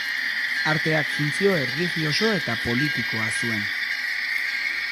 Arteak funtzio erlijioso eta politikoa zuen.